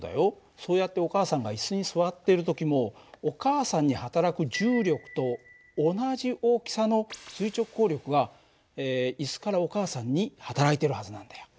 そうやってお母さんが椅子に座っている時もお母さんにはたらく重力と同じ大きさの垂直抗力が椅子からお母さんにはたらいてるはずなんだよ。